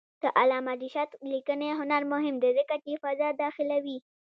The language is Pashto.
د علامه رشاد لیکنی هنر مهم دی ځکه چې فضا داخلوي.